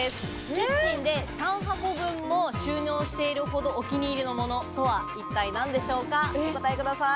キッチンで３箱分も収納しているほどお気に入りのものとは一体何でしょうか、お答えください。